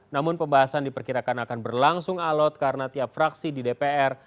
namun pembahasan diperkirakan akan berlangsung alot karena tiap fraksi di dpr